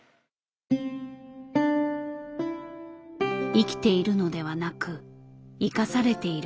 生きているのではなく生かされている。